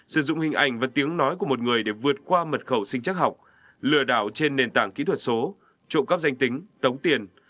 sử dụng hình ảnh và tiếng nói của một người để vượt qua mật khẩu sinh chắc học lừa đảo trên nền tảng kỹ thuật số trộm cắp danh tính tống tiền